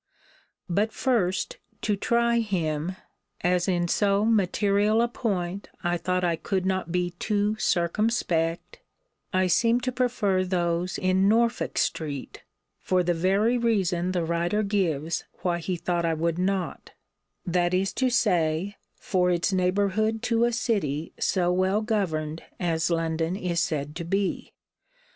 But first to try him, (as in so material a point I thought I could not be too circumspect,) I seemed to prefer those in Norfolk street, for the very reason the writer gives why he thought I would not; that is to say, for its neighbourhood to a city so well governed as London is said to be.